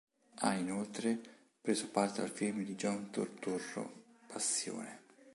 Ha, inoltre, preso parte al film di John Turturro, "Passione".